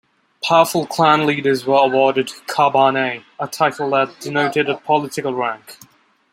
Powerful clan leaders were awarded kabane, a title that denoted a political rank.